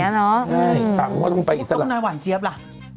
ใช่ตามทางต้องไปอิสระอเจมส์ต้องได้หวานเจี๊ยบล่ะ